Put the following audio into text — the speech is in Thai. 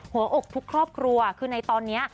หัวอกทุกครอบครัวคือในตอนนี้